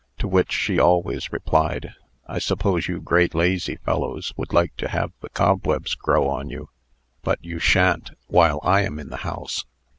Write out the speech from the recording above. To which she always replied: "I suppose you great lazy fellows would like to have the cobwebs grow on you. But you sha'n't, while I am in the house."